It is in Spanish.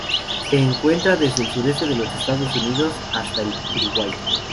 Se encuentra desde el sureste de los Estados Unidos hasta el Uruguay.